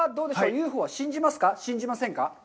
ＵＦＯは信じますか、信じませんか。